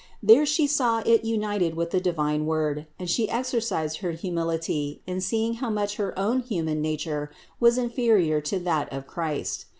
There She saw it united with the divine Word and She exercised her humility in see ing how much her own human nature was inferior to that of Christ.